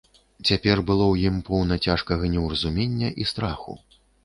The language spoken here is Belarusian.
Цяпер было ў ім поўна цяжкога неўразумення і страху.